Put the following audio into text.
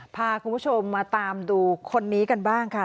พาคุณผู้ชมมาตามดูคนนี้กันบ้างค่ะ